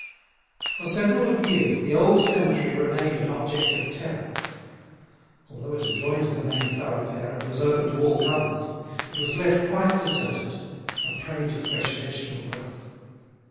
For several years the old cemetery remained an object of terror. Although it adjoined the main thoroughfare and was open to all comers, it was left quite deserted, a prey to fresh vegetable growth.